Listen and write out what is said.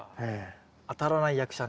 当たらない役者ね。